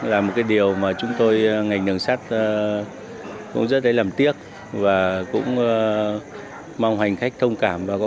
là một cái điều mà chúng tôi ngành đường sắt cũng rất để làm tiếc và cũng mong hành khách thông cảm và có